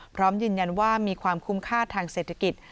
พร้อมยืนยันว่ามีความคุ้มค่าทางเศรษฐกิจ